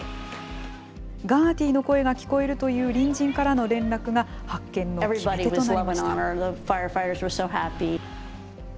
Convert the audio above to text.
ガーティの声が聞こえるという隣人からの連絡が発見の決め手となりました。